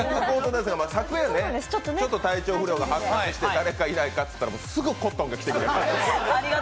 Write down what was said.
昨夜ちょっと体調不良が発覚して、誰かいないかと言ったら、すぐコットンが来てくれたと。